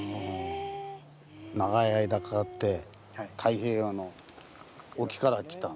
長い間かかって太平洋の沖から来た。